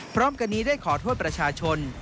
พร้อมกันนี้ได้ขอโทษประชาชน